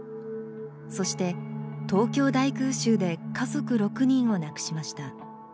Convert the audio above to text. そして東京大空襲で家族６人を亡くしました。